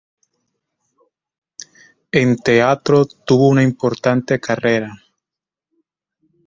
En teatro tuvo una importante carrera.